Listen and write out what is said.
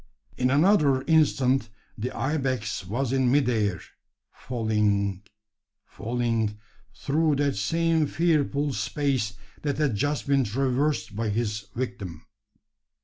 In another instant the ibex was in mid air falling falling through that same fearful space that had just been traversed by his own victim.